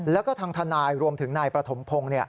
แล้วก็ทางทนายรวมถึงนายประถมพงศ์